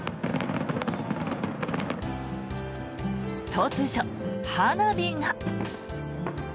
突如、花火が。